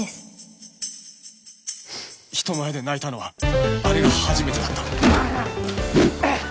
人前で泣いたのはあれが初めてだったうっ！